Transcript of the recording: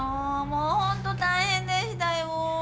もうホント大変でしたよ。